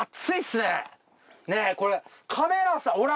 ねえこれカメラさんほら！